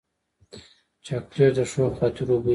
چاکلېټ د ښو خاطرو بوی لري.